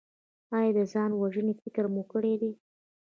ایا د ځان وژنې فکر مو کړی دی؟